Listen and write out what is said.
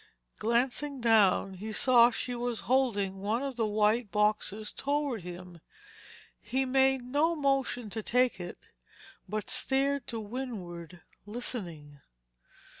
Glancing down, he saw that she was holding one of the white boxes toward him. He made no motion to take it, but stared to windward, listening.